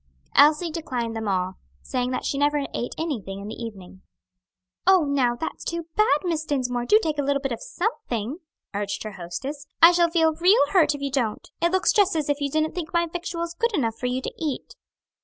Elsie declined them all, saying that she never ate anything in the evening. "Oh, now that's too bad, Miss Dinsmore! do take a little bit of something," urged her hostess; "I shall feel real hurt if you don't; it looks just as if you didn't think my victuals good enough for you to eat."